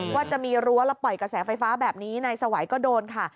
ว่าจะมีรั้วแล้วปล่อยกระแสไฟฟ้าแบบนี้นายสวัยก็โดนค่ะ